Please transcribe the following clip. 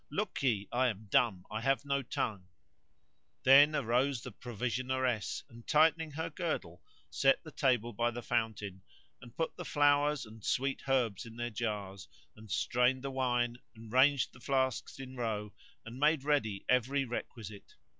Lookye, I am dumb, I have no tongue. Then arose the provisioneress and tightening her girdle set the table by the fountain and put the flowers and sweet herbs in their jars, and strained the wine and ranged the flasks in row and made ready every requisite.